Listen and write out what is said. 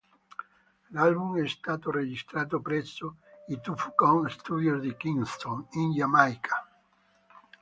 L'album è stato registrato presso i Tuff Gong Studios di Kingston, in Giamaica.